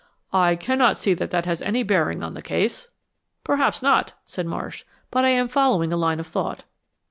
"I cannot see that that has any bearing on the case." "Perhaps not," said Marsh, "but I am following a line of thought."